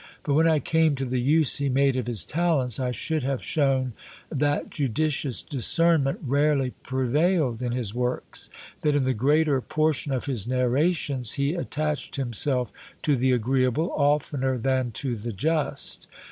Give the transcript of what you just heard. But when I came to the use he made of his talents, I should have shown that judicious discernment rarely prevailed in his works. That in the greater portion of his narrations he attached himself to the agreeable, oftener than to the just.